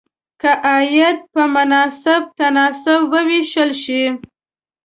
که عاید په مناسب تناسب وویشل شي.